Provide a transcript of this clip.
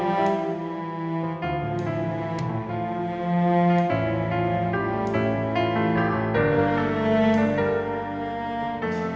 ya sudah pak